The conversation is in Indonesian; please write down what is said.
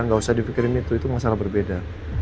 nggak usah dipikirin itu itu masalah berbeda